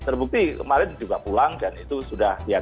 terbukti kemarin juga pulang dan itu sudah siap